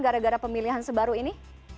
gara gara pemilihan sebaru ini